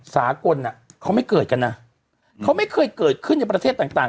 สากลเขาไม่เกิดกันนะเขาไม่เคยเกิดขึ้นในประเทศต่างต่าง